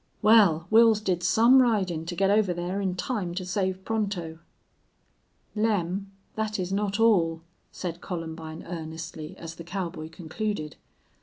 Wal, Wils did some ridin' to git over thar in time to save Pronto." "Lem, that is not all," said Columbine, earnestly, as the cowboy concluded.